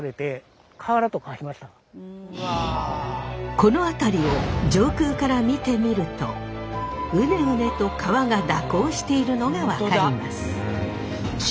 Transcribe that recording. この辺りを上空から見てみるとウネウネと川が蛇行しているのが分かります。